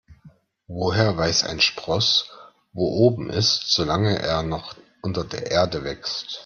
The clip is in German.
Woher weiß ein Spross, wo oben ist, solange er noch unter der Erde wächst?